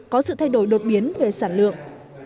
có sự thay đổi đột biến về sản lượng